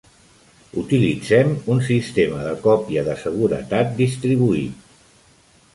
Utilitzem un sistema de còpia de seguretat distribuït.